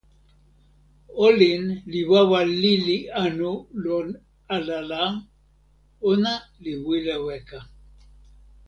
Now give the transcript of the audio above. olin li wawa lili anu lon ala la, ona li wile weka.